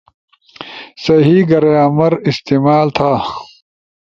صحیح گرامر استعمال تھا